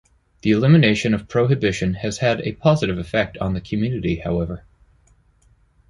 The elimination of prohibition has had a positive effect on the community, however.